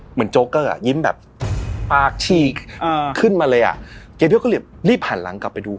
โจ๊เกอร์อ่ะยิ้มแบบปากฉีกอ่าขึ้นมาเลยอ่ะเจโดก็เลยรีบหันหลังกลับไปดู